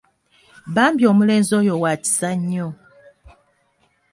Bambi omulenzi oyo wakisa nnyo.